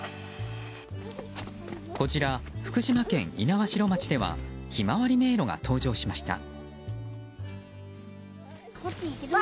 こちら、福島県猪苗代町ではひまわり迷路が登場しました。